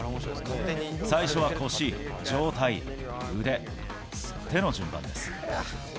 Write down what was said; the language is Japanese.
最初は腰、上体、腕、手の順番です。